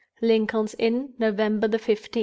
"Lincoln's Inn, November 15th.